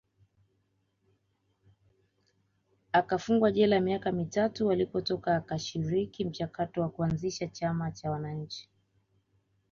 akafungwa jela miaka mitatu alipotoka akashiriki mchakato wa kuanzisha chama cha Wananchi